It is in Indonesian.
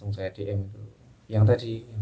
tentu sudah ada metaph parking bayang